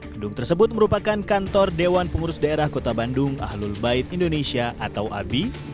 gedung tersebut merupakan kantor dewan pengurus daerah kota bandung ahlul bait indonesia atau abi